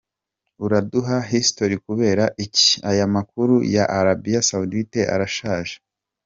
uraduha history kubera iki? Aya makuru ya Arabie Saoudite arashajeeeee.